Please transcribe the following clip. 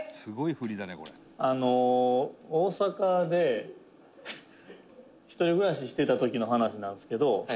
水田：「大阪で一人暮らししてた時の話なんですけど」